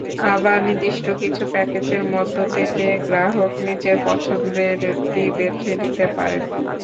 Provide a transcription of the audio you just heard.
আবার নির্দিষ্ট কিছু প্যাকেজের মধ্য থেকে গ্রাহক নিজের পছন্দেরটি বেছে নিতে পারেন।